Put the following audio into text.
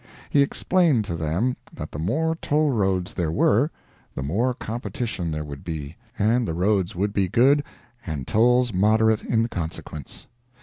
He explained to them that the more toll roads there were, the more competition there would be, and the roads would be good, and tolls moderate in consequence.